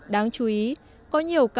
đáng chú ý có nhiều cơ sở